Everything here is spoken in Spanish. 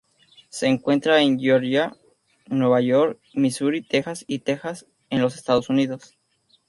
Se encuentra en Georgia, New York, Missouri, Texas y Texas en los Estados Unidos.